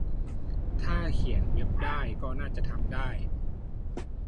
ถ้าเขียนเว็บได้ก็น่าจะทำได้